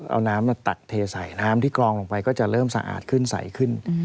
เอาน้ำตักเทใส่น้ำที่กรองลงไปก็จะเริ่มสะอาดขึ้นใส่ขึ้น